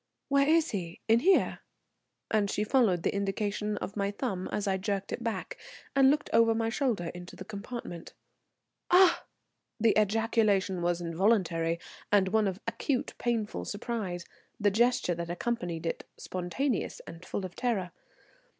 "Where is he? In here?" and she followed the indication of my thumb as I jerked it back, and looked over my shoulder into the compartment. "Ah!" The ejaculation was involuntary, and one of acute painful surprise, the gesture that accompanied it spontaneous and full of terror.